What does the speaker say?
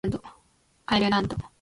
アイルランド